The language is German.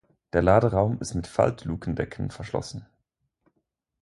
Der Laderaum ist mit Faltlukendeckeln verschlossen.